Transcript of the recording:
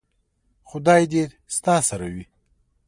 خدای دې ستا سره وي .